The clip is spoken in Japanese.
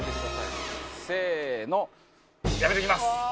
せーのやめときます。